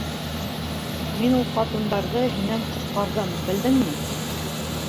Мин ул ҡатындарҙы һинән ҡотҡарҙым, белдеңме?